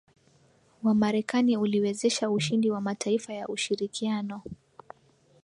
wa Marekani uliwezesha ushindi wa mataifa ya ushirikiano